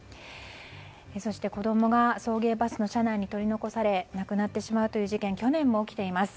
そして、子供が送迎バスの車内に取り残され亡くなってしまうという事件は去年も起きています。